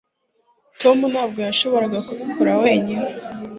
tom ntabwo yashoboraga kubikora wenyine